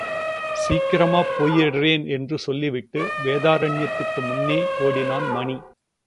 சீக்கிரமா போயிடுறேன், என்று சொல்லிவிட்டு வேதாரண்யத்திற்கு முன்னே ஓடினான் மணி.